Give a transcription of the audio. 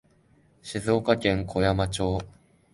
静岡県小山町